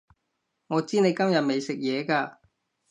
我知你今日未食嘢㗎